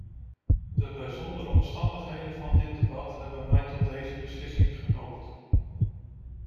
De bijzondere omstandigheden van dit debat hebben mij tot deze beslissing genoopt.